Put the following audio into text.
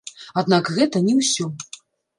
Аднак гэта не ўсё.